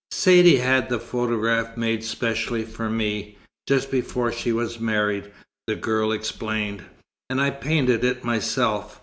"Saidee had the photograph made specially for me, just before she was married," the girl explained, "and I painted it myself.